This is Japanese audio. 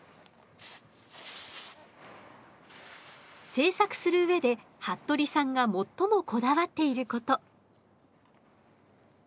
制作する上で服部さんが最もこだわっていること。